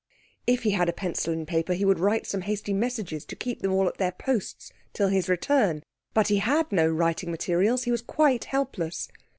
If he had a pencil and paper he would write some hasty messages to keep them all at their posts till his return; but he had no writing materials, he was quite helpless.